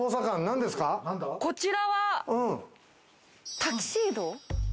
こちらはタキシード。